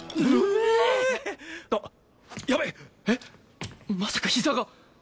えっまさかひざが！